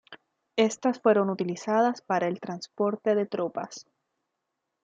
Estas fueron utilizadas para el transporte de tropas.